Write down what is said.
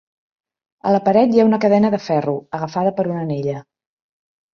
A la paret hi ha una cadena de ferro, agafada per una anella.